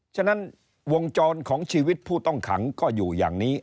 ฉะนั้นวงจรของชีวิตผู้ต้องขังก็อยู่อย่างนี้